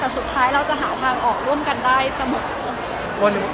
แต่สุดท้ายเราจะหาทางออกร่วมกันได้เสมอ